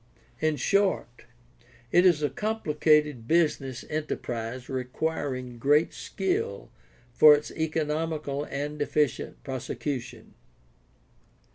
In short, it is a complicated business enterprise requiring great skill for its economical and efficient prosecution.